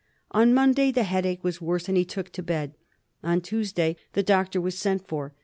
On Monday the headache was worse and he took to bed ; on Tuesday the doctor was sent for.